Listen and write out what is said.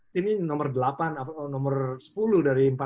timnya nomor delapan atau nomor sepuluh dari empat belas